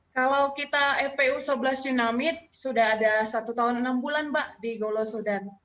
kalau kita epu sebelas yunamid sudah ada satu tahun enam bulan mbak di golo sudan